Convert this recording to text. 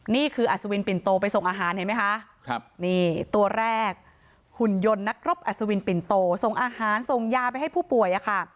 นี่คืออัศวินปิ่นโตไปส่งอาหารเห็นไหมคะนี่ตัวแรกหุ่นยนต์นักรบอัศวินปิ่นโตส่งอาหารส่งยาไปให้ผู้ป่วยอะค่ะ